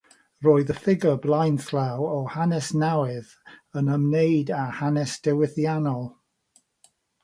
Roedd yn ffigwr blaenllaw o Hanes Newydd, yn ymwneud â hanes diwylliannol.